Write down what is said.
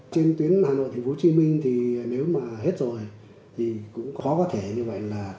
trên tuyến hà nội tp hcm thì nếu mà hết rồi thì cũng khó có thể như vậy là